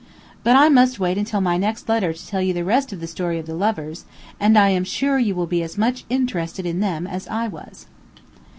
But I must wait until my next letter to tell you the rest of the story of the lovers, and I am sure you will be as much interested in them as I was.